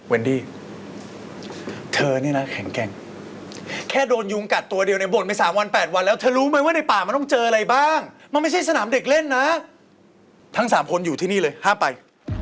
ดี้เธอนี่นะแข็งแกร่งแค่โดนยุงกัดตัวเดียวในบ่นไป๓วัน๘วันแล้วเธอรู้ไหมว่าในป่ามันต้องเจออะไรบ้างมันไม่ใช่สนามเด็กเล่นนะทั้ง๓คนอยู่ที่นี่เลยห้ามไป